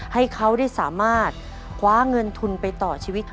ให้เขาได้สามารถคว้าเงินทุนไปต่อชีวิต